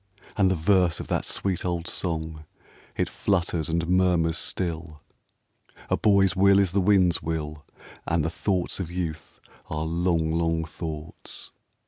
And the verse of that sweet old song, It flutters and murmurs still: "A boy's will is the wind's will, And the thoughts of youth are long, long thoughts."